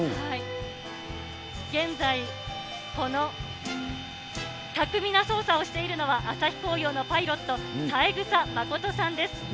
現在、この巧みな操作をしているのは、朝日航洋のパイロット、三枝誠さんです。